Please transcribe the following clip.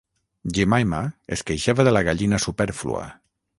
Jemima es queixava de la gallina supèrflua.